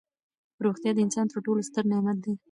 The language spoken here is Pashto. روغتیا د انسان تر ټولو ستر نعمت دی.